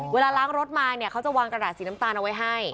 เวลาล้างรถมาเขาจะวางกระดาษสีน้ำตาลเอาไว้ให้